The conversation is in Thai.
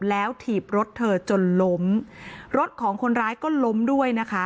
แล้วถีบรถเธอจนล้มรถของคนร้ายก็ล้มด้วยนะคะ